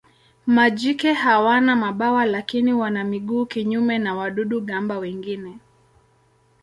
Majike hawana mabawa lakini wana miguu kinyume na wadudu-gamba wengine.